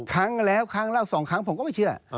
ครั้งแล้วครั้งเล่าสองครั้งผมก็ไม่เชื่อ